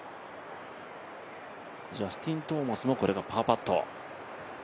ジャスティン・トーマスもこれがパーパット。